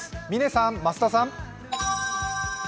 嶺さん、増田さん。